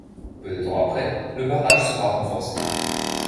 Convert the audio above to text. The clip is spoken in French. Peu de temps après, le barrage sera renforcé.